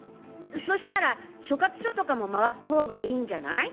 そしたら所轄署とかも回ったほうがいいんじゃない？